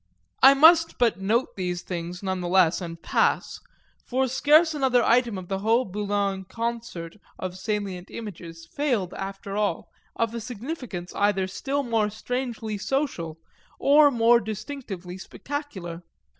I must but note these things, none the less, and pass; for scarce another item of the whole Boulogne concert of salient images failed, after all, of a significance either still more strangely social or more distinctively spectacular.